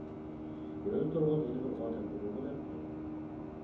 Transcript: يېنىدا تۇرغان يەنە بىر ئادەم ئۇنىڭغا دەپتۇ.